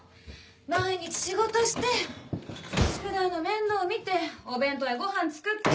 毎日仕事して宿題の面倒見てお弁当やごはん作って。